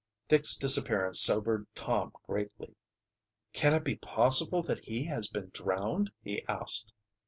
Dick's disappearance sobered Tom greatly. "Can it be possible that he has been drowned?" he asked.